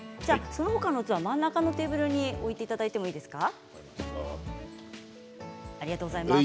その他の器を真ん中のテーブルに置いていただいてもいいですか？